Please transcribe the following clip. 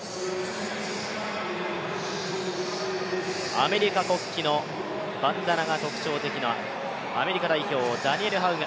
アメリカ国旗のバンダナが特徴的なアメリカ代表、ダニエル・ハウが。